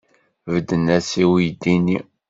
Bedden-as i uydi-nni?